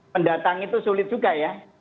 mendatang itu sulit juga ya